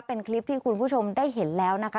เป็นคลิปที่คุณผู้ชมได้เห็นแล้วนะคะ